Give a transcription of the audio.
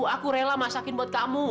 aku rela masakin buat kamu